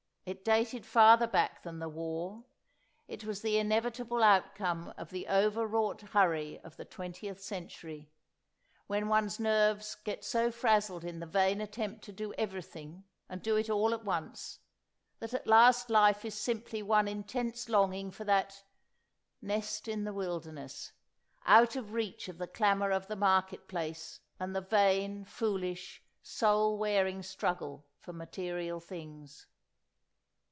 It dated farther back than the War; it was the inevitable outcome of the over wrought hurry of the twentieth century, when one's nerves get so frazzled in the vain attempt to do everything, and do it all at once, that at last life is simply one intense longing for that "nest in the wilderness" out of reach of the clamour of the market place and the vain, foolish, soul wearing struggle for material things.